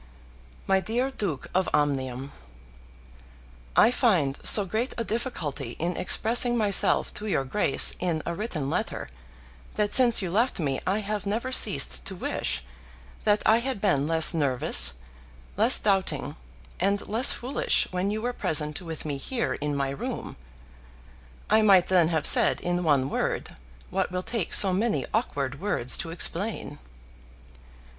MY DEAR DUKE OF OMNIUM, I find so great a difficulty in expressing myself to your Grace in a written letter, that since you left me I have never ceased to wish that I had been less nervous, less doubting, and less foolish when you were present with me here in my room. I might then have said in one word what will take so many awkward words to explain.